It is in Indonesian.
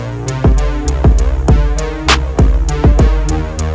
aku sarapan enak di sini ma